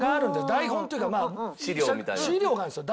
台本というかまあ資料があるんですよ。